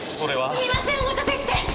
すみませんお待たせして！